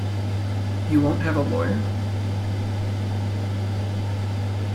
You won't have a lawyer?